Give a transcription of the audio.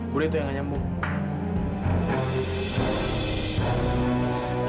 budi tuh yang gak nyambung